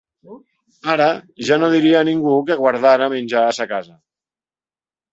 Ara, jo no diria a ningú que guardara menjar a sa casa.